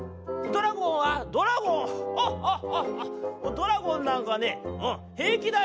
ドラゴンなんかねうんへいきだよ」。